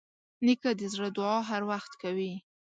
نیکه د زړه دعا هر وخت کوي.